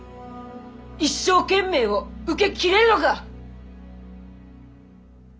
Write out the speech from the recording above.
一生懸命を受けきれるのか！